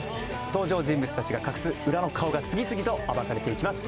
登場人物達が隠す裏の顔が次々と暴かれていきます。